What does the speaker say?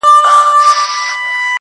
له ګنجي سره را ستون تر خپل دوکان سو.!